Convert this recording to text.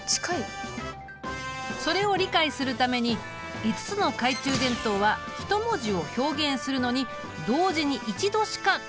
それを理解するために５つの懐中電灯は１文字を表現するのに同時に一度しか点灯できないことにした。